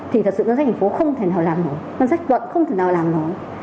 thì thật sự ngân sách thành phố không thể nào làm được ngân sách quận không thể nào làm nổi